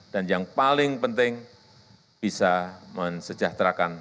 dan yang paling penting bisa mensejahterakan